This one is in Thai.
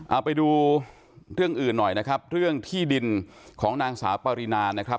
เอาไปดูเรื่องอื่นหน่อยนะครับเรื่องที่ดินของนางสาวปรินานะครับ